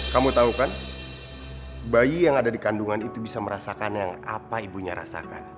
kamu tahu kan bayi yang ada di kandungan itu bisa merasakan yang apa ibunya rasakan